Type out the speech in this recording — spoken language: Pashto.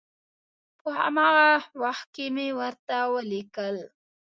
په هماغه وخت کې مې ورته ولیکل.